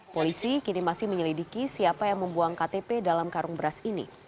polisi kini masih menyelidiki siapa yang membuang ktp dalam karung beras ini